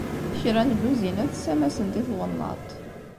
Kra n lluzinat ssamasent i twennaḍt.